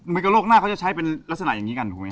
ไม่ก็โลกหน้าเขาจะใช้เป็นลักษณะอย่างนี้กันถูกไหมครับ